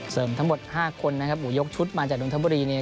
เสริมทั้งหมด๕คนนะครับอุยกชุดมาจากน้องทบุรีเนี่ย